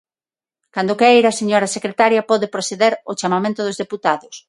Cando queira, señora secretaria, pode proceder ao chamamento dos deputados.